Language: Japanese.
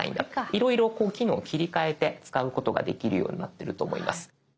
いろいろこう機能を切り替えて使うことができるようになってると思います。